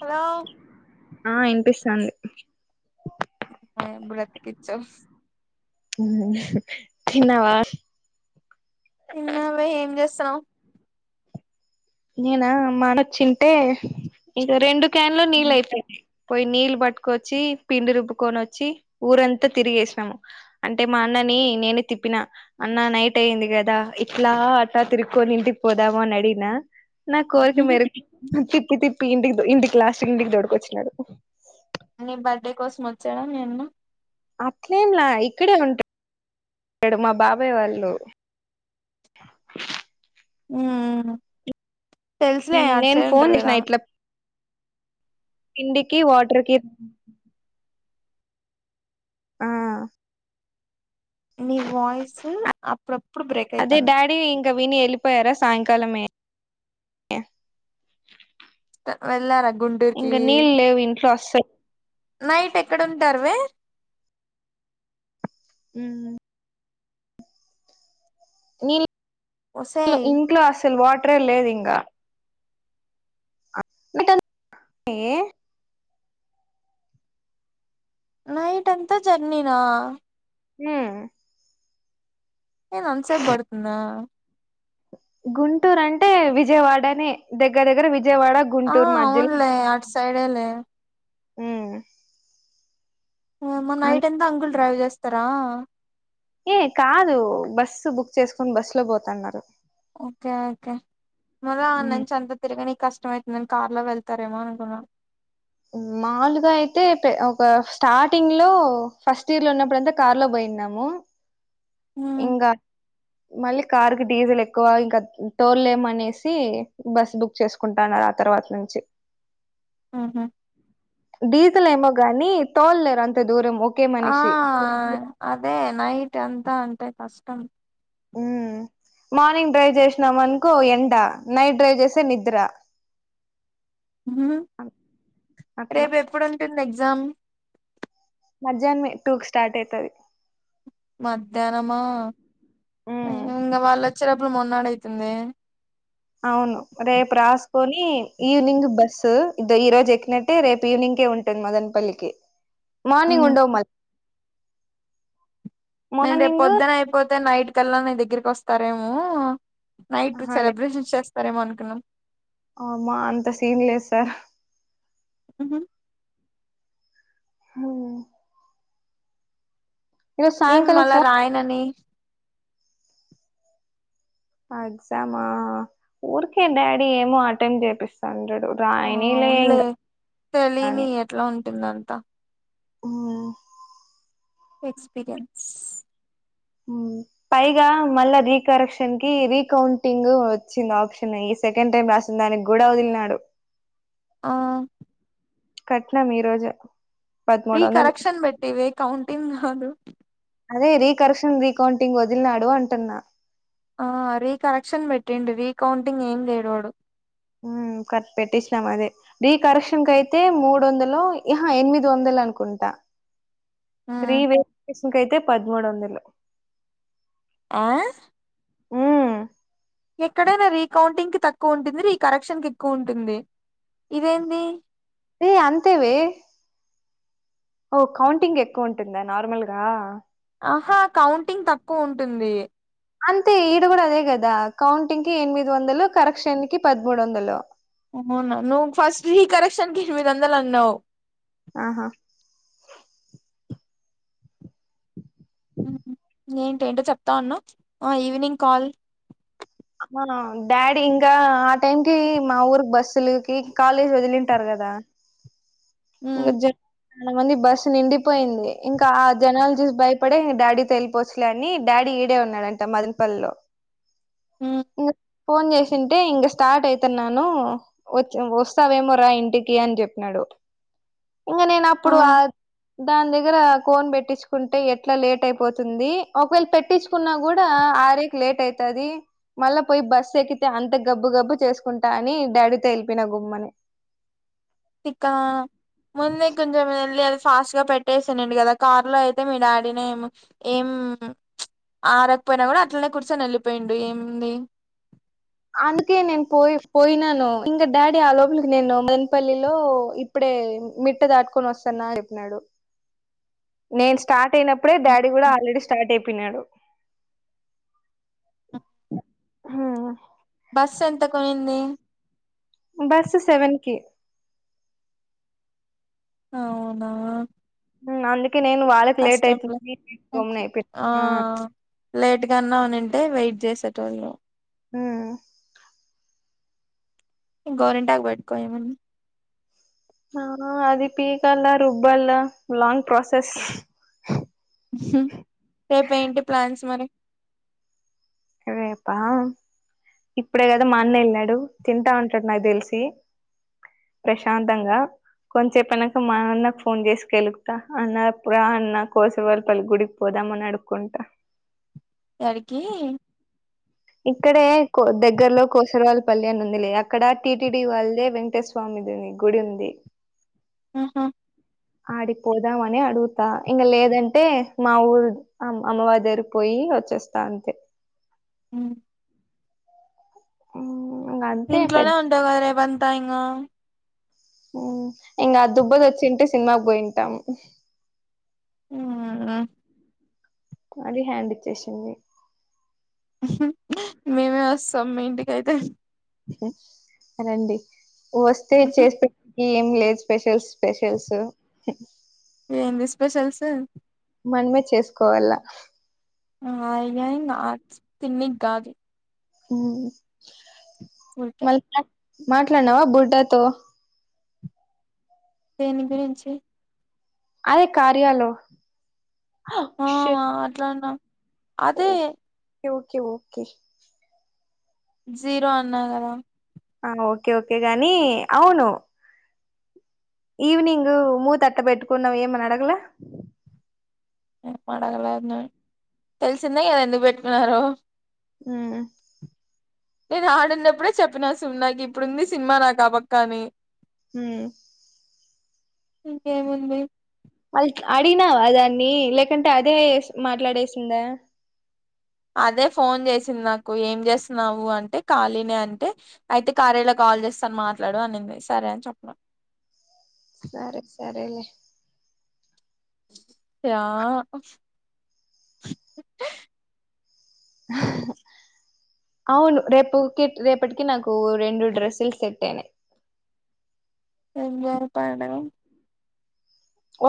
Hello ఆ ఇన్పిస్తాంది. మయ్ బ్రతికిచ్చావ్ ఊహు తిన్నవా తిన్నావ ఏం చేస్తున్నావ్ నేనా మాట చ్చింటె ఇక రెండు క్యాన్ లో నీళ్ళు అయితాయి పోయి నీళ్లు బట్టుకొచ్చి పిండి రుబ్బుకొని వచ్చి ఊరంతా తిరిగేసినాము అంటే మా అన్నని నేనే తిప్పిన అన్న నైట్ అయింది కదా ఇట్ల అట్టా తిరుక్కొని ఇంటికి పోదావు అ నడినా నా కోరిక మేరకు తిప్పి తిప్పి ఇంటికి ఇంటికి లాస్ట్ ఇంటికి తోడుకొచ్చినాడు నీ బర్త్డే కోసం వచ్చానా నేను అట్లేంలా ఇక్కడే ఉంటాడు మా బాబాయ్ వాళ్ళు అమ్ తెలుసులే అట్టు నేను సైడ్ ఫోన్ ఉంటారు కదా చేసిన ఇట్లా పిండికి వాటర్ కి ఆ నీ వాయిస్ అప్పుడప్పుడు బ్రేక్ అయితాంది ఇక విని వెళ్ళిపోయారా సాయంకాలమే ఆ వెళ్ళారు అ ఇంగ నీళ్ళు లేవు ఇంట్లో అసలు నైట్ ఎక్కడ ఉంటారు వే ఉమ్ నీ ళ్ళు ఒసేయ్ ఇంట్లో అసలు వాటరే లేదు ఇంకా ఆ నీ ఏ నైట్ అంతా జర్నీనా హుమ్ ఏంది అంత సేపు పడుతుందా గుంటూరు అంటే విజయవాడని దగ్గర దగ్గర విజ విజయవాడ ఆ గుంటూరు మధ్యలో అవునులే అటు సైడేలే ఉమ్ నీ అమ్మ నైట్ ఎంత అంకుల్ డ్రైవ్ చేస్తారా ఏ కాదు బస్సు బుక్ చేసుకొని బస్ లో పోతన్నారు ఓకే ఓకే మళ్ళ ఆడ ఉమ్, నుంచి అంత తిరగని కష్టము అవుతుందండి కార్ లో వెళ్తారేమో అనుకున్నా ఆమ్ మామూలుగా అయితే ఒక స్టార్టింగ్ లో ఫస్ట్ ఇయర్ లో ఉన్నప్పుడు అంతా కార్ లో పోయిన్నాము ఉమ్ ఇంకా మళ్ళీ కార్ కి డీజిల్ ఎక్కువ ఇంకా తోల్ లేము అనేసి బస్ బుక్ చేసుకుంటానారు ఆ తర్వాత నుంచి [inaudible] ఉహు డీజిల్ ఏమో గాని తోల్లేరు అంత దూరం ఓ ఆ అదే నైట్ అంతా అంటే కష్టం మ్మ్ [inaudible] మార్నింగ్ డ్రైవ్ చేసినామనుకో ఎండ నైట్ డ్రైవ్ చేస్తే నిద్ర ఉహుహు అట్లా రేపు ఎప్పుడు ఉంటుంది ఎగ్జామ్ మధ్యాహ్నమే టూ కి స్టార్ట్ అయితది మధ్యాహ్నం మా మ్మ్ ఇంగ వాళ్ళ వచేడప్పుడు మొన్నాడైతుందే అవును రేపు రాసుకొని ఈవినింగ్ బస్సు ఈ రోజు ఎక్కినట్టే రేపు ఈవినింగ్ కే ఉంటుంది మదనపల్లికి [inaudible] మార్నింగ్ ఉండవు మ నేను రేపు మార్నింగ్ పొద్దున అయిపోతే నైట్ కల్లా నీ దగ్గరికి వస్తారేమో నైట్ ఆహా సెలబ్రేషన్ చేస్తారేమో అనుకున్నాం అమా అంత సీన్ లేదు సార్ హు హమ్ హో ఏం సాయంకాలం మళ్ళ ఫోన్ రాయనని ఎగ్జామా ఊరికే డాడీ ఏమో అటెండ్ చేపిస్తాను ఆ అవునులే తెలిని ఎట్లా ఉంటుందొ అంతా ఆ ఎక్స్పీరియన్స్ ఉం పైగా మళ్ళా రీకరెక్షన్ కి రీకౌంటింగ్ వచ్చింది ఆప్షన్ సెకండ్ టైమ్ రాసింది దానికి కూడ వదిలినాడు ఆ కట్టినం ఈ రోజే రీ కరెక్షన్ పెట్టివే కౌంటింగ్ కాదు అదే రీ కరెక్షన్ రీకౌంటింగ్ వదిలినాడు అంటున్నా ఆ రీకరెక్షన్ పెట్టిండు రీకౌంటింగ్ ఏం చేయడు వాడు ఉం కట్ పెట్టించినమ్మ్ అదే రీకరెక్షన్ కయితే మూడు వందలో ఆహా ఎనిమిది వందలు అనుకుంటా [inaudible] రీ మ్మ్ వేరిఫికేషన్ కయితే పదమూడు వందలు ఆ ఉం ఎక్కడైనా రీకౌంటింగ్ కి తక్కువ ఉంటుంది రీ కరెక్షన్ కి ఎక్కువ ఉంటుంది ఇదేంది ఏ అంతేవే ఓ కౌంటింగ్ ఎక్కువ ఉంటుందా నార్మల్గా ఆహా కౌంటింగ్ తక్కువ ఉంటుంది అంతే ఈడు కూడా అదే కదా కౌంటింగ్ కి ఎనిమిది వందలు కరెక్షన్ కి పదమూడు వందలు అవునా నువ్వు ఫస్ట్ ఈ కరెక్షన్ కి ఎనిమిది వందలు అన్నవు ఆహా ఏంటేంటో చెప్తా ఉన్నావ్ ఈవినింగ్ కాల్ డాడీ ఇంకా ఆ టైం కి మా ఊరి బస్సులుకి కాలేజీ వదిలింటారు కదా [inaudible] ఉం చాల మంది బస్సు నిండిపోయింది ఇంకా ఆ జనాల్ జూసి భయపడి డాడీ తో వెళ్లి పోవచ్చులే అని డాడీ ఈడే ఉన్నాడంట మదనపల్లిలో ఉం ఇంక ఫోన్ చేసింటే ఇంక స్టార్ట్ అయితున్నాను వ వస్తావేమో రా ఇంటికి అని చెప్పినాడు ఆ ఇంగ నేను అప్పుడు ఆ దాని దగ్గర కోన్ పెట్టించుకుంటే ఎట్లా లేట్ అయిపోతుంది ఒకవేళ పెట్టిచుకున్నా కూడా ఆరేకి లేట్ అయితది మళ్ళా పోయి బస్సు ఎక్కితే అంత గబ్బు గబ్బు చేసుకుంటా అని డాడీతో వెళ్లి పోయినా గుమ్మని ఆ చక్కా మొన్నె కొంచమ [unintelligible] ఫాస్ట్ గా పెట్టేసానండి కదా కారు లో అయితే మీ డాడీనే ఏమో ఏమ్ ఆరకపోయినా కూడా అట్లనే కూర్చొని వెళ్ళిపోయిండు ఏముంది అందుకే నేను పో పోయినను ఇంగ డాడి ఆలోపలికి నేను మన్పల్లిలో ఇప్పుడే ఏ మిట్ట దాట్కొని వస్తాన్నా అని చెప్పినాడు నేను స్టార్ట్ అయినప్పుడే డాడీ కూడా ఆల్రెడీ స్టార్ట్ అయిపో పొయినాడు హా బస్సు ఎంతకు పొయ్యింది? బస్సు సెవెన్ కి అవునా ఉమ్ అందుకే నేను వాళ్ళకి లేట్ కష్టంలే అయితుంది అని గొమ్నా అయిపోయినా ఆ ఆ లేట్ గా అన్నా ఉనింటే వెయిట్ చేసేటోళ్ళు ఉమ్ గోరింటాకు పెట్కో ఏమని ఆ అది పీకాల్ల రుబ్బల్ల లాంగ్ ప్రాసెస్ రేపు ఏంటి ప్లాన్స్ మరి రేపా? ఇప్పుడే కదా మా అన్న వెళ్నాడు తింటా ఉంటాడు నాకు తెలిసి ప్రశాంతంగా కొంచేపు ఐనంక మా అన్నకు ఫోన్ చేసి కెలుకుతా అన్నప్పు రా అన్న కోసే వాళ్పల్ గుడికి పోదా రమ్మని అడుక్కుంటా యాడికి ఇక్కడే కో దగ్గర్లో కోసర్ వాళ్ పల్లె అని ఉంది లే అక్కడ టీటిడి వాల్దే వెంకటేశ్వ స్వామి దిని గుడి ఉంది ఆహా ఆడికిపోదాం అని అడుగుతా ఇంకా లేదంటే మా ఊరు అమ్ అమ్మవారి దరికి పోయి వచ్చెస్తా అంతే. ఉ ఆ ఇంట్లోనే ఉంటావ రేపంతా ఇంగా ఇంగా దుబ్బది వచ్చింటే సినిమాకి పోయింటాం ఉమ్ ఆ అది హ్యాండ్ ఇచ్చేసింది. మేమే వస్తాం మీ ఇంటికైతే రండి వస్తే చేస్పెట్ ఏం లేదు స్పెషల్స్ స్పెషల్స్ ఏంది స్పెషల్స్ మనమే చేసుకోవల్ల ఆ అయినా తిన్నీగాదు ఉమ్ ఊరికే మళీ మాట్లాడినావా బుడ్డాతో దేని గురించి అదే కార్యాలు ఆ మాట్లాడ్నా అదే ఓకే ఓకే ఓకే జీరో అన్నా కదా ఆ ఓకే ఓకే గాని అవును ఈవినింగు మూతట్ట పెట్టుకున్నావ్ ఏమని అడగల. నేన్ పండగ లెన్ దాని, తెలిసింద ఇయల ఎందుకు పెట్టుకున్నరో. ఆ నేను ఆడునప్పుడే చెప్పినా సున్ నాకిప్పుడుంది సినిమా నాకు అబక్కని. ఏ ఇంకేముంది అల్ట్ అడిగినావా దాన్ని లేకుంటే అదేస్ మాట్లాడేసిందా. అదే ఫోన్ చేసింది నాకు ఏం చేస్తున్నావు అంటే ఖాళీని అంటే అయితే కార్యల క కాల్ జేస్ తను మాట్లాడు అనింది సరే అని చెప్న్నా సరే సరేలే ఆ అవును రేపుట్ కి రేపటికి నాకు రెండు డ్రెస్సులు సెట్ ఐనయ్ ఏం జరుపండి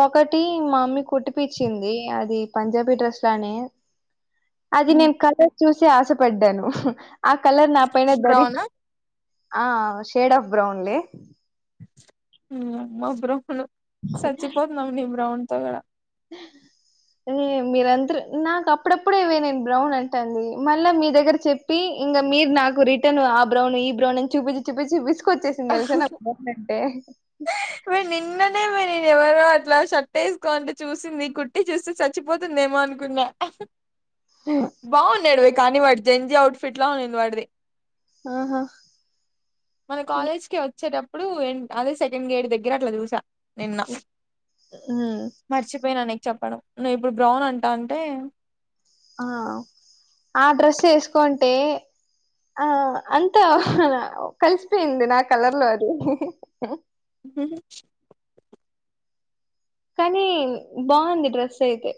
ఒకటి మమ్మీ కుట్పిచ్చింది అది పంజాబీ డ్రెస్ లానే అది నేను కలర్ చూసి ఆసపడ్డాను ఆ కలర్ నా పైన దరి బ్రౌనా ఆ షేడ్ ఆఫ్ బ్రౌన్లే ఆ మా బ్రౌను సచ్చిపోతునాం నీ బ్రౌన్ తో కదా. ఏ మీరందరు నాకు అప్పుడప్పుడేవే నేను బ్రౌన్ అంటాంది మళ్ళ మీ దగర చెప్పి ఇంక మీర్ నాకు రిటర్న్ ఉ ఆ బ్రౌను ఈ బ్రౌను అని చూపిచి చూపిచి విసిక్ కొచ్చేసింది తెలుసా నాక్ బ్రౌన్ అంటే నేన్ ఒలేను ఎవరో అట్ల షర్ట్ ఏసుకోంటే చూసింది కుట్టి చూస్తే సచ్చిపోతుందేమో అనుకున్నా. బాగున్నాడువే కానీ వాడు జెంజ అవుట్ ఫిట్ లా ఉంనింది వాడిది. ఆహ మన కాలేజ్ కి వచ్చేటప్పుడు ఎండ్ అదే సెకండ్ గేడ్ దగ్గర అట్ల చూసా. నిన్న హ్మ్ మర్చిపోయిన నీక్ చెప్పడం. నువ్ ఇప్పుడు బ్రౌన్ అంటాంటే ఆ ఆ డ్రెస్ ఏసుకొంటే ఆ అంత అలా కల్సిపోయింది నా కలర్లో అది హ కానీ బాగుంది డ్రెస్ అయితే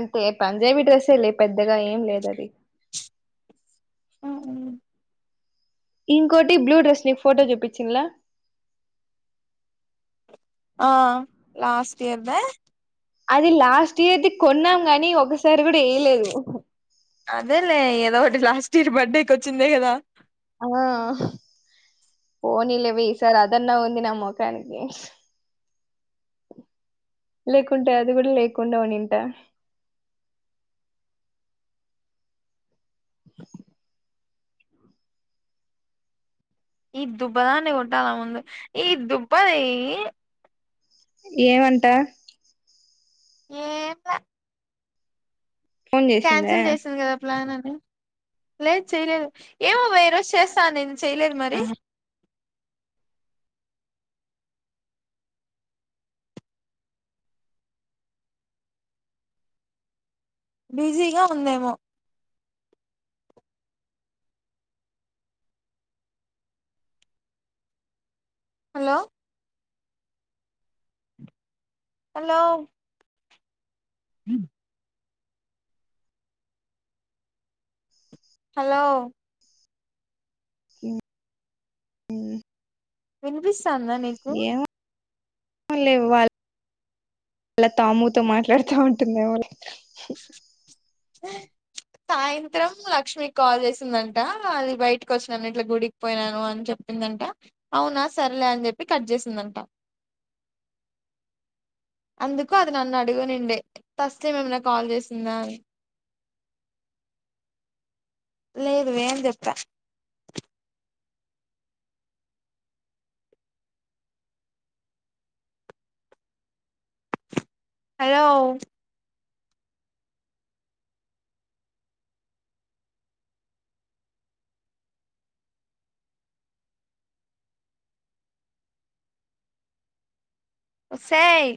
అంటే పంజాబీ డ్రెస్సే లే పెద్దగా ఏం లేదు అది ఆవును ఇంకోటి బ్లూ డ్రెస్ నీ ఫోటో జూపించిన్లా ఆ లాస్ట్ ఇయర్ దే అది లాస్ట్ ఇయర్ది కొన్నాం కానీ ఒక స సరి కూడా ఏయలేదు స్టీర్ బర్త్డేకొచ్చిందే కదా ఆ పోనీలేవి ఈ సార్ అదన్న ఉంది నా మొఖనికి లేకుంటే అది కూడా లేకుండా ఉనింట. ఈ దుబ్బదాన్ని కొట్టాల ముందు ఈ దుబ్బది ఏమంట ఏం ల ఫోన్ చేసిందా క్యాన్సిల్ చేసింది కదా ప్లాన్ లేదు చేయలేదు ఏమోబా ఈ రోజు చేస్తా అనింది చేయలేదు మరి ఆహా బిజీగా ఉందేమో హలో హలో హ హలో మ్ మ్ వినిపిస్తాందా నీకు లే వాళ్ళ తాముూతో మాట్లాడుతా ఉంటుందేమే లె ఆ సాయంత్రం లక్ష్మిీకి కాల్ చేసిందంట అది బయటకి వచ్చాను ఇట్లా గుడికి పోయినాను అని చెప్ దంట అవునా సరలే అని చెప్పి కట్ చేసిందంట అందుకు అది నన్ను అడుగునిండే తస్లీం ఏమన కాల్ చేసిందా అని లేదువే అని చెప్పా హలో ఒసేయ్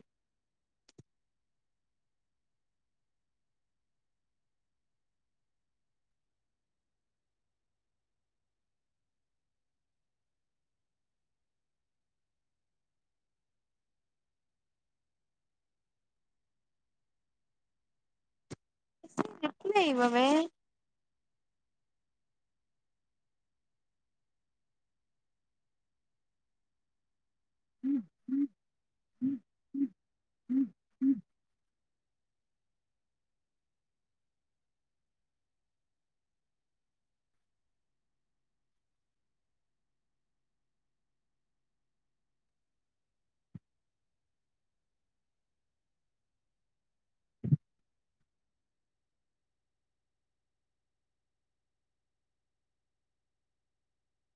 రిప్లై ఇవ్వవే